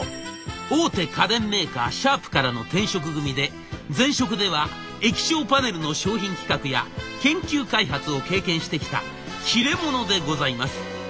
大手家電メーカーシャープからの転職組で前職では液晶パネルの商品企画や研究開発を経験してきた切れ者でございます。